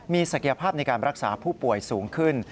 มีศักยภาพในการรักษาผู้ป่วยสูงขึ้น